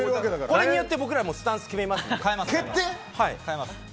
これによって僕らスタンス変えます。